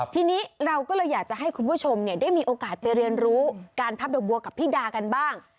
ทีนี้เราก็เลยอยากจะให้คุณผู้ชมได้มีโอกาสไปเรียนรู้การพับดอกบัวกับพี่ดากันบ้าง